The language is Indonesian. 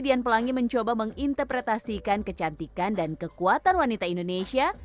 dian pelangi mencoba menginterpretasikan kecantikan dan kekuatan wanita indonesia